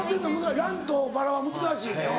ランとバラは難しい。